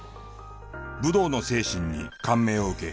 武道の精神に感銘を受け